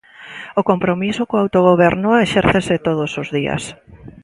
O compromiso co autogoberno exércese todos os días.